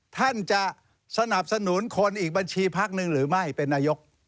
ท่านจะสนับสนุนคนอีกบัญชีพักหนึ่งหรือไม่เป็นนายก